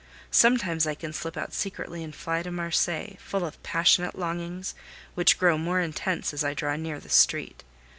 Sometimes I can slip out secretly and fly to Marseilles, full of passionate longings, which grow more intense as I draw near the street.